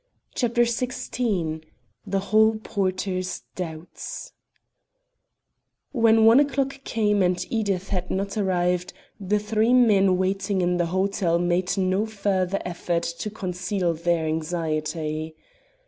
CHAPTER XVI THE HALL PORTER'S DOUBTS When one o'clock came and Edith had not arrived, the three men waiting in the hotel made no further effort to conceal their anxiety.